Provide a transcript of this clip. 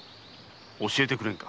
教えてくれんか？